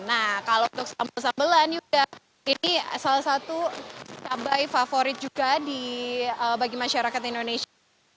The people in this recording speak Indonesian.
nah kalau untuk sambal sambelan yuda ini salah satu cabai favorit juga bagi masyarakat indonesia